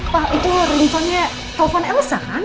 pak itu rinconnya telfon elsa kan